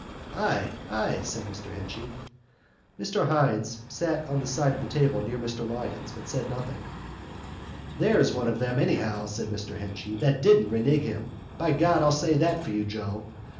"Ay, ay!" said Mr Henchy. Mr Hynes sat on the side of the table near Mr Lyons but said nothing. "There's one of them, anyhow," said Mr Henchy, "that didn't renege him. By God, I'll say for you, Joe!